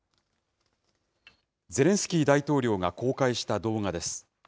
ゼレンスキー大統領が公開した動画です。